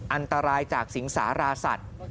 อันตรายจากสิงสาราสัตว์